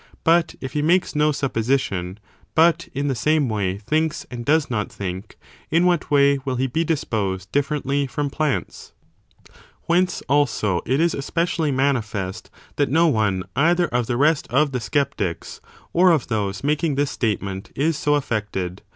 But if he mtJies no sup position, but in the same way thinks and does not think, in what way will he be disposed differently from plants ?^ IS. Sixth argu Whence, also, it is especially manifest that no STheSlSS^i^ one either of the rest of the sceptics, or of those tion that one making this statement, is so affected.